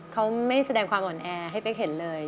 เขาไม่แสดงความอ่อนแอให้เป๊กเห็นเลย